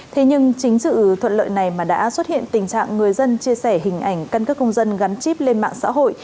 thế nhưng chính sự thuận lợi này mà đã xuất hiện tình trạng người dân chia sẻ hình ảnh cân cước công dân gắn chip điện tử